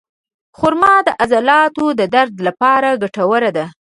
خرما د عضلاتو د درد لپاره ګټوره ده.